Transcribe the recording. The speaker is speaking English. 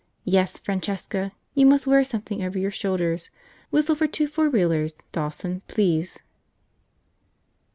Yes, Francesca, you must wear something over your shoulders. Whistle for two four wheelers, Dawson, please."